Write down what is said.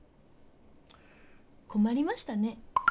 コマりましたね。